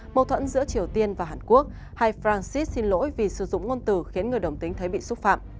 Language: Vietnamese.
mâu thuẫn giữa triều tiên và hàn quốc hai francis xin lỗi vì sử dụng ngôn từ khiến người đồng tính thấy bị xúc phạm